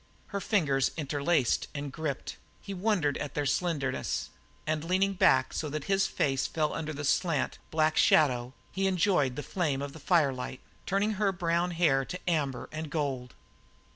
Her fingers interlaced and gripped; he wondered at their slenderness; and leaning back so that his face fell under a slant, black shadow, he enjoyed the flame of the firelight, turning her brown hair to amber and gold.